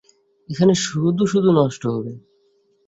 এখানে শুধু শুধু নষ্ট হবে।